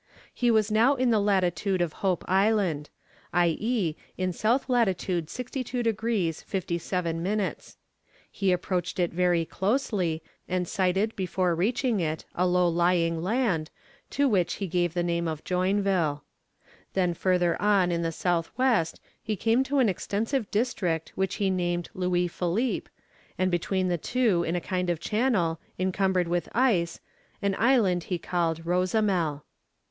He was now in the latitude of Hope Island i.e. in S. lat. 62 degrees 57 minutes. He approached it very closely, and sighted before reaching it a low lying land, to which he gave the name of Joinville. Then further on in the south west he came to an extensive district which he named Louis Philippe, and between the two in a kind of channel, encumbered with ice, an island he called Rosamel.